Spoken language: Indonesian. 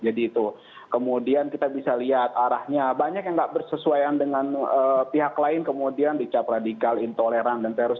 jadi itu kemudian kita bisa lihat arahnya banyak yang gak bersesuaian dengan pihak lain kemudian dicap radikal intoleran dan terus